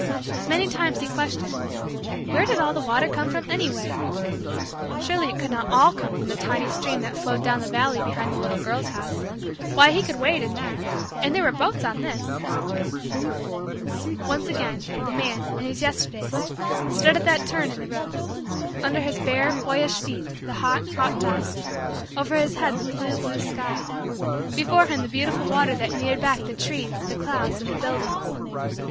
Many times, he questioned: "Where did all the water come from anyway?" Surely it could not all come from the tiny stream that flowed down the valley below the little girl's house! Why, he could wade in that and there were boats on this! Once again, the man, in his Yesterdays, stood at that turn in the road; under his bare, boyish, feet the hot, hot, dust; over his head the blue, blue, sky; before him the beautiful water that mirrored back the trees, the clouds, and the buildings.